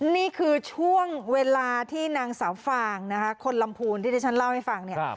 นี่คือช่วงเวลาที่นางสาวฟางนะคะคนลำพูนที่ที่ฉันเล่าให้ฟังเนี่ย